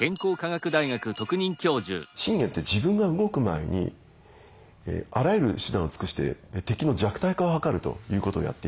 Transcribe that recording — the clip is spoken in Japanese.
信玄って自分が動く前にあらゆる手段を尽くして敵の弱体化を図るということをやっています。